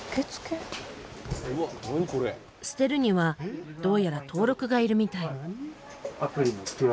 捨てるにはどうやら登録がいるみたい。